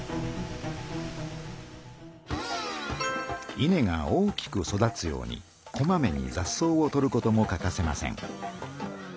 稲が大きく育つようにこまめにざっ草を取ることも欠かせません。